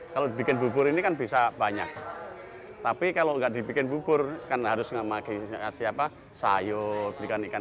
kalau dibikin bubur ini kan bisa banyak tapi kalau enggak dibikin bubur kan harus mengamalkan sayur ikan ikan